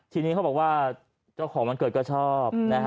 ทีนี้เขาบอกว่าเจ้าของวันเกิดก็ชอบนะฮะ